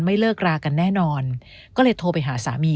เลิกรากันแน่นอนก็เลยโทรไปหาสามี